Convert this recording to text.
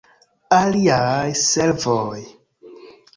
Aliaj servoj.